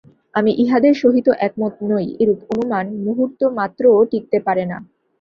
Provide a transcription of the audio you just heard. আমি ইঁহাদের সহিত একমত নই, এরূপ অনুমান মুহূর্তমাত্রও টিকিতে পারে না।